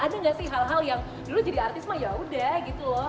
ada gak sih hal hal yang dulu jadi artis mah yaudah gitu loh